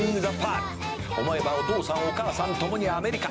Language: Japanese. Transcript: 「思えばお父さんお母さん共にアメリカ］